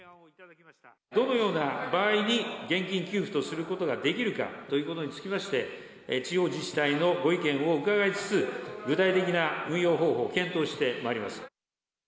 どのような場合に現金給付とすることができるかということにつきまして、地方自治体のご意見を伺いつつ、具体的な運用方法を検討してまいります。